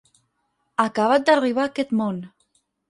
Acabat d'arribar a aquest món.